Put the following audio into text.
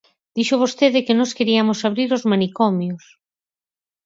Dixo vostede que nós queriamos abrir os manicomios.